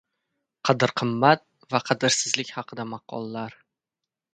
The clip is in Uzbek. Qadr-qimmat va qadrsizlik haqida maqollar.